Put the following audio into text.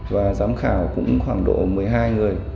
và giám khảo cũng khoảng độ một mươi hai người